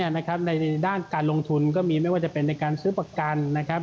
ในด้านการลงทุนก็มีไม่ว่าจะเป็นในการซื้อประกันนะครับ